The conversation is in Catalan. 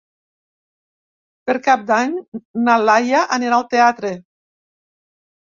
Per Cap d'Any na Laia anirà al teatre.